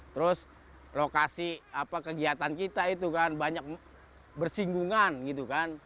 terus lokasi kegiatan kita itu kan banyak bersinggungan gitu kan